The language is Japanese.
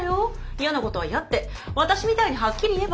嫌なことは嫌って私みたいにはっきり言えば？